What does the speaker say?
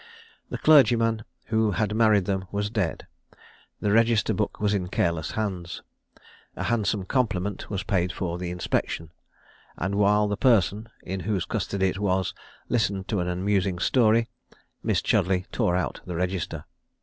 The clergyman who had married them was dead. The register book was in careless hands. A handsome compliment was paid fur the inspection; and while the person, in whose custody it was, listened to an amusing story, Miss Chudleigh tore out the register.